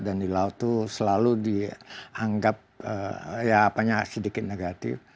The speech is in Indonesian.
dan di laut itu selalu dianggap sedikit negatif